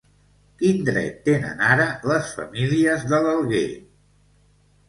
Quin dret tenen ara les famílies de l'Alguer?